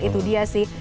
itu dia sih